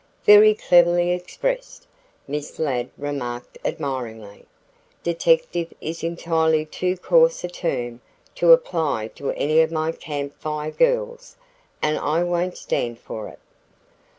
"Very cleverly expressed," Miss Ladd remarked admiringly. "Detective is entirely too coarse a term to apply to any of my Camp Fire Girls and I won't stand for it."